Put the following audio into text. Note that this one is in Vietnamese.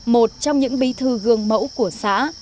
một trong những bí thư gương mẫu của xã